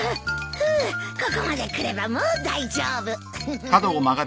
ふうここまで来ればもう大丈夫。